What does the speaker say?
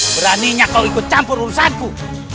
beraninya kalau ikut campur urusanku